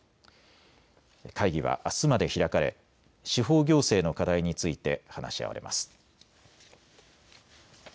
会議はあすまで開かれ司法行政の課題について話し合われます。